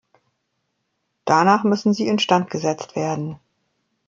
Danach müssen sie instand gesetzt werden.